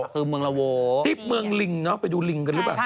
คือเมืองละโวที่เมืองลิงเนอะไปดูลิงกันหรือเปล่า